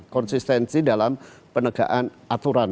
konsistensi dalam penegaan aturan